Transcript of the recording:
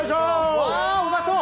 わうまそう！